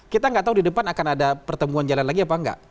kita nggak tahu di depan akan ada pertemuan jalan lagi apa enggak